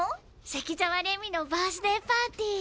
関澤礼美のバースデーパーティー。